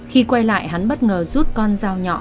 khi quay lại hắn bất ngờ rút con dao nhọ